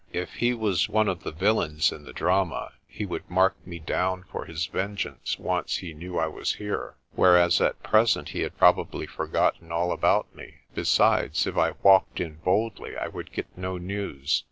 If he was one of the villains in the drama, he would mark me down for his vengeance once he knew I was here, whereas at present he had probably forgotten all about me. Besides, if I walked in boldly I would get no news.